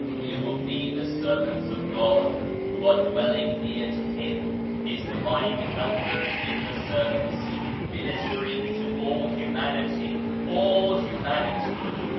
You will be the servants of God, who are dwelling near to Him, His divine helpers in the service, minister ing to all Humanity. All Humanity